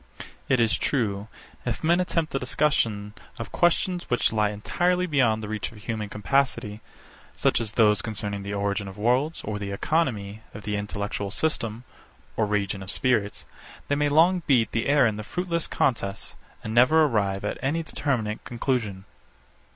It is true, if men attempt the discussion of questions which lie entirely beyond the reach of human capacity, such as those concerning the origin of worlds, or the economy of the intellectual system or region of spirits, they may long beat the air in their fruitless contests, and never arrive at any determinate conclusion.